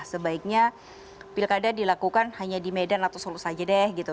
sebaiknya pilkada dilakukan hanya di medan atau solo saja deh gitu